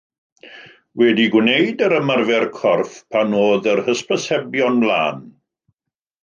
Wedi gwneud yr ymarfer corff pan oedd yr hysbysebion ymlaen.